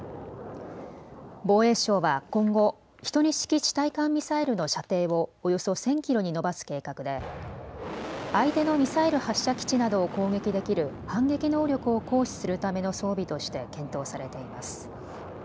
防衛省は今後、１２式地対艦ミサイルの射程をおよそ１０００キロに伸ばす計画で相手のミサイル発射基地などを攻撃できる反撃能力を行使するための装備として検討されています。